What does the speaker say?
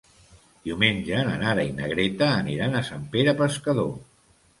Diumenge na Nara i na Greta aniran a Sant Pere Pescador.